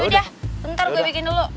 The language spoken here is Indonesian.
yaudah bentar gue bikin dulu